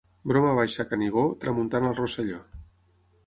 Broma baixa a Canigó, tramuntana al Rosselló.